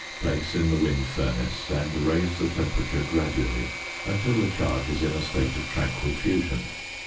Place in the wind furnace, and raise the temperature gradually until the charge is in a state of tranquil fusion.